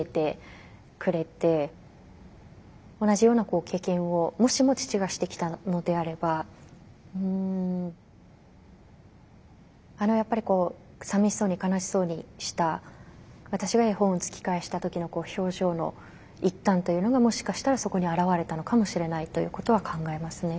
同じような経験をもしも父がしてきたのであればあのやっぱりこうさみしそうに悲しそうにした私が絵本を突き返した時の表情の一端というのがもしかしたらそこに表れたのかもしれないということは考えますね。